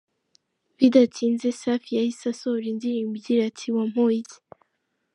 Bidatinze, Safi yahise asohora indirimbo igira iti: “Wampoye iki”.